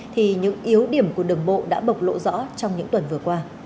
thì những yếu điểm của đường bộ đã bộc lộ rõ trong những tuần vừa qua